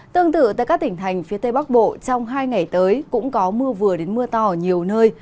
tương tự tại các tỉnh thành phía tây bắc bộ trong hai ngày tới cũng có mưa vừa đến mưa to ở nhiều nơi